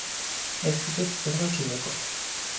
Ez ditut zergak igoko.